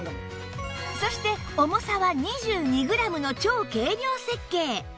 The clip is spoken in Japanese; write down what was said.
そして重さは２２グラムの超軽量設計